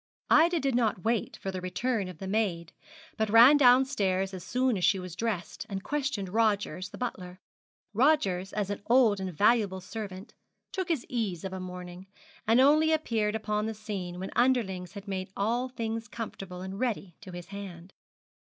Ida did not wait for the return of the maid, but ran downstairs as soon as she was dressed, and questioned Rogers the butler. Rogers, as an old and valuable servant, took his ease of a morning, and only appeared upon the scene when underlings had made all things comfortable and ready to his hand.